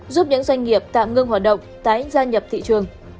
giúp những doanh nghiệp tạm ngưng hoạt động tái gia nhập thị trường